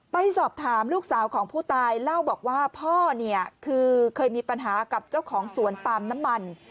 ไปสอบถามลูกสาวของผู้ตายเล่าบอกว่าพ่อเนี่ยคือเคยมีปัญหากับเจ้าของสวนปาล์มน้ำมัน